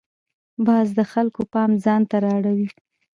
باز د خلکو پام ځان ته را اړوي